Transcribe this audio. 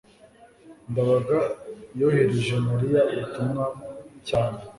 ndabaga yohereje mariya ubutumwa cyane